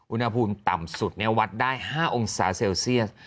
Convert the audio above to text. อุณหภูมิต่ำสุดวัดได้๕องศาเซลเซียส